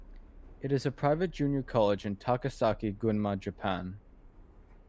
It is a private junior college in Takasaki, Gunma, Japan.